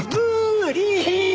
無理！